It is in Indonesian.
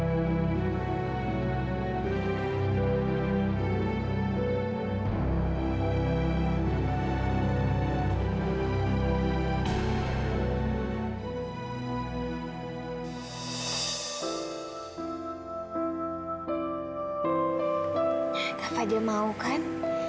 kau saja mau kan